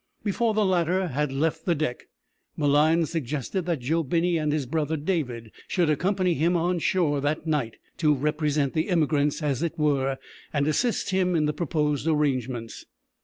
Before the latter had left the deck, Malines suggested that Joe Binney and his brother David should accompany him on shore that night, to represent the emigrants, as it were, and assist him in the proposed arrangements.